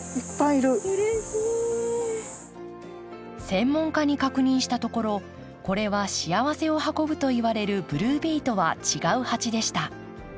専門家に確認したところこれは幸せを運ぶといわれる「ブルービー」とは違うハチでした。